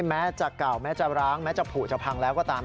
แม้จะเก่าแม้จะร้างแม้จะผูจะพังแล้วก็ตาม